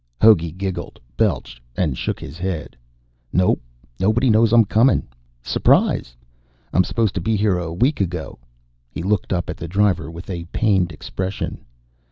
Hogey giggled, belched, and shook his head. "Nope. Nobody knows I'm coming. S'prise. I'm supposed to be here a week ago." He looked up at the driver with a pained expression.